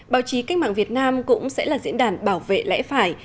báo chí cách mạng việt nam cũng sẽ là diễn đàn bảo vệ lẽ phải